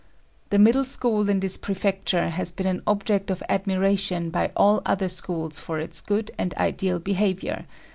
"The Middle School in this prefecture has been an object of admiration by all other schools for its good and ideal behavior.